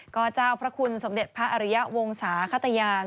ก็เจ้าพระคุณสมเด็จพระอริยะวงศาขตยาน